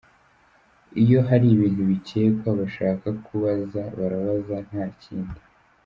Iyo hari ibintu bikekwa bashaka kubaza, barabaza nta kindi.